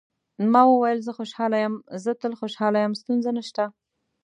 ما وویل: زه خوشاله یم، زه تل خوشاله یم، ستونزه نشته.